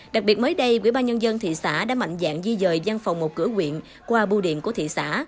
đặc biệt mới đây quỹ ba nhân dân thị xã đã mạnh dạng di dời giang phòng một cửa quyện qua bưu điện của thị xã